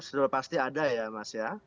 sudah pasti ada ya mas ya